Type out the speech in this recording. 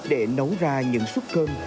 để nấu ra những súp cơm